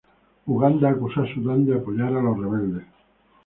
Uganda acuso a Sudán de apoyar a los rebeldes.